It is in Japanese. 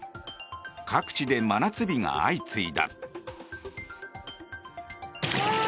各地で真夏日が相次いだ。